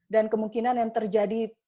dan kemungkinan yang terjadi